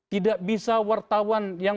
tidak bisa wartawan yang